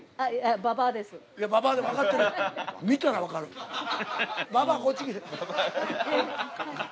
ババアこっち来て。